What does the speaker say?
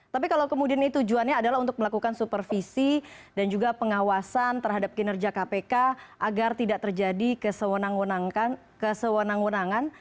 tapi kalau kemudian ini tujuannya adalah untuk melakukan supervisi dan juga pengawasan terhadap kinerja kpk agar tidak terjadi kesewenang wenangan